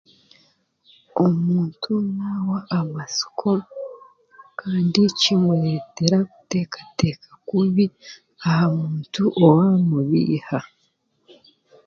Omuntu naawa amatsiko kandi kimureetera kuteekateeka kubi aha muntu owaamubaiha